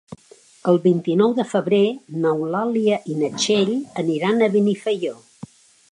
El vint-i-nou de febrer n'Eulàlia i na Txell aniran a Benifaió.